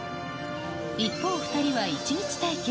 一方、２人は１日体験。